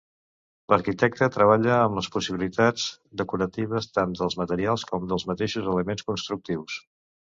L'arquitecte treballa amb les possibilitats decoratives tant dels materials com dels mateixos elements constructius.